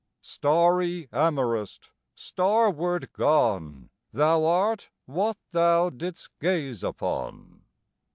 Starry amorist, starward gone, Thou art what thou didst gaze upon!